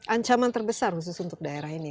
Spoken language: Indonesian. ancaman terbesar khusus untuk daerahnya